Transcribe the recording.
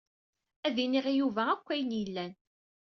Ad iniɣ i Yuba akk ayen yellan.